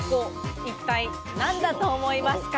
一体何だと思いますか？